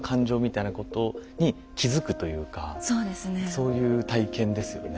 そういう体験ですよね。